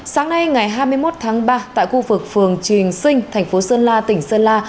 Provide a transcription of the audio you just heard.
sáng nay ngày hai mươi một tháng ba tại khu vực phường trường sinh thành phố sơn la tỉnh sơn la